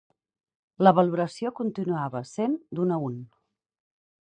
La valoració continuava sent d'un a un.